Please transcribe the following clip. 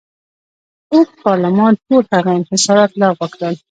اوږد پارلمان ټول هغه انحصارات لغوه کړل.